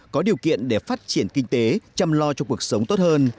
có điều kiện để phát triển kinh tế chăm lo cho cuộc sống tốt hơn